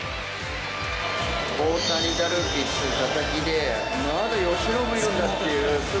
大谷ダルビッシュ、佐々木でまだ由伸もいるんだっていう。